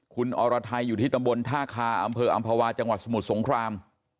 คุณอรไทยอยู่ที่ตำบลท่าคาอำเภออำภาวาจังหวัดสมุทรสงคราม